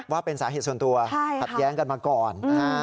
ว่าเป็นสาเหตุส่วนตัวขัดแย้งกันมาก่อนนะฮะ